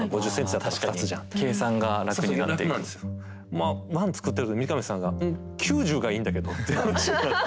まあ「１」作ってる時三上さんが「ん？９０がいいんだけど」って話があって。